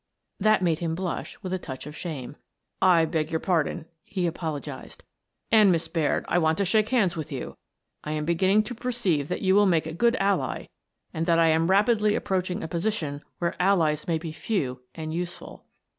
" That made him blush with a touch of shame. " I beg your pardon," he apologized, " and, Miss Baird, I want to shake hands with you. I am be ginning to perceive that you will make a good ally and that I am rapidly approaching a position where allies may be few and useful."